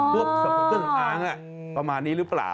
พวกสมุดเกิดของอ้างประมาณนี้หรือเปล่า